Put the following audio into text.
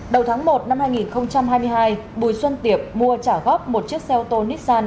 đầu tháng một năm hai nghìn hai mươi hai bùi xuân tiệp mua trả góp một chiếc xe ô tô nissan